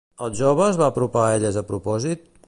El jove es va apropar a elles a propòsit?